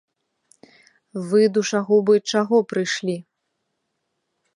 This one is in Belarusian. Вы, душагубы, чаго прыйшлі?